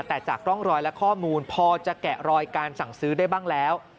แต่จากร่องรอยและข้อมูลพอจะแกะรอยการสั่งซื้อได้บ้างแล้ว